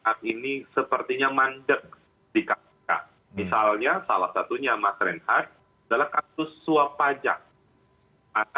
masyarakat ini sepertinya mandek di kpk misalnya salah satunya masyarakat adalah kasus suap pajak